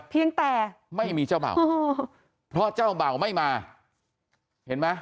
เพียงแต่ไม่มีเจ้าเบ่าเพราะเจ้าเบ่าไม่มาเห็นไหม